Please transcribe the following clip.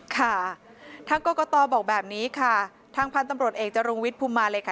ค่ะทางกรกตบอกแบบนี้ค่ะทางพันธุ์ตำรวจเอกจรุงวิทย์ภูมิมาเลยค่ะ